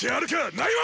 ないわ！